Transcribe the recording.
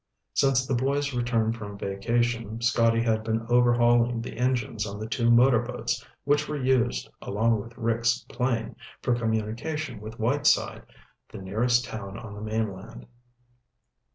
Since the boys returned from vacation, Scotty had been overhauling the engines on the two motorboats which were used, along with Rick's plane, for communication with Whiteside, the nearest town on the mainland.